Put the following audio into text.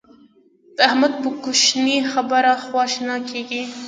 د احمد په کوشنۍ خبره خوا شنه کېږي.